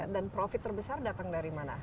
dan profit terbesar datang dari mana